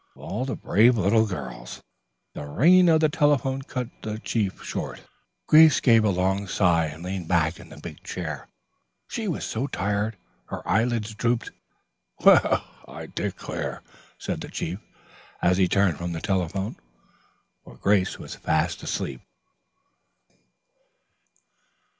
Of all the brave little girls " The ringing of the telephone cut the chief short. Grace gave a long sigh and leaned back in the big chair. She was so tired. Her eyelids drooped "Well, I declare!" said the chief, as he turned from the telephone, for Grace was fast asleep.